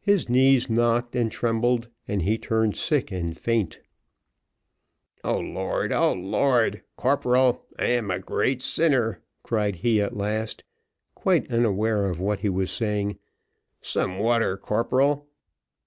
His knees knocked and trembled, and he turned sick and faint. "O Lord, O Lord! corporal, I am a great sinner," cried he at last, quite unaware of what he was saying. "Some water, corporal."